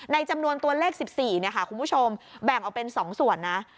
ในจำนวนตัวเลข๑๔คุณผู้ชมแบ่งเอาเป็น๒ส่วน